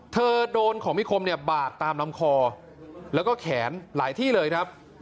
โดนของมีคมเนี่ยบาดตามลำคอแล้วก็แขนหลายที่เลยครับ